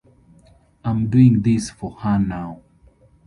I'm doing this for her now.